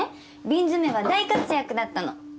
瓶詰は大活躍だったの。